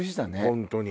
本当に。